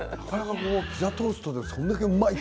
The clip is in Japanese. ピザトーストでそんなにうまいって。